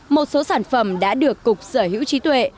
một số sản phẩm đã được cục sở hữu trí tuệ